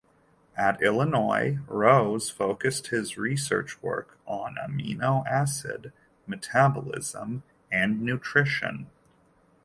At Illinois, Rose focused his research work on amino acid metabolism and nutrition.